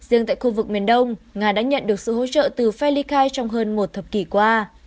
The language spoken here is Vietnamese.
riêng tại khu vực miền đông nga đã nhận được sự hỗ trợ từ phe ly khai trong hơn một thập kỷ qua